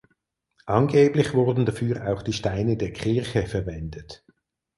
Angeblich wurden dafür auch die Steine der Kirche verwendet.